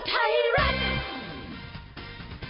บรรเทิงไทยรัฐ